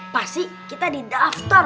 pasti kita didaftar